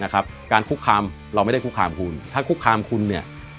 การคุกคามเราไม่ได้คุกคามคุณถ้าคุกคามคุณเนี่ย